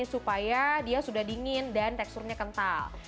supaya dia sudah dingin dan teksturnya kental